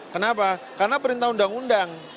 kenapa karena perintah undang undang